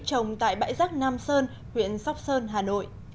trồng tại bãi giác nam sơn huyện sóc sơn hà nội